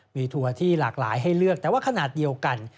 มีถั่วที่หลากหลายให้เลือกแต่ว่าขนาดเดียวกัน